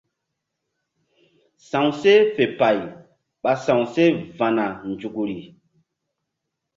Sa̧wseh fe pay ɓa sa̧wseh va̧na nzukri.